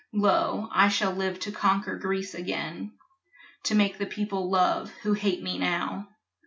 Lo, I shall live to conquer Greece again, To make the people love, who hate me now.